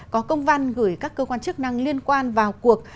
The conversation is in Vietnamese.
có công văn gửi các cơ quan chức năng liên quan vào cuộc